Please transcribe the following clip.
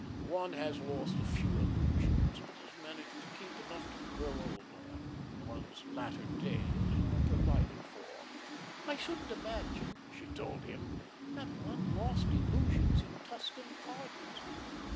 One has lost a few illusions, but has managed to keep enough to grow old on. One's latter days are provided for." "I shouldn't imagine," she told him, "that one lost illusions in Tuscan gardens."